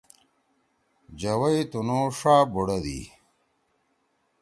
جوئی تُنُو ݜا بُوڑدی۔